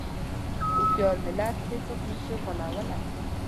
هوښیار ملت هېڅوک نه شي غولوی.